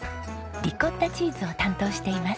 リコッタチーズを担当しています。